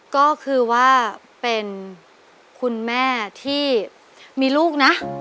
ก็คือว่าเป็นคุณแม่ที่มีลูกนะ